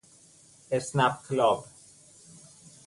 اسنپ کلاب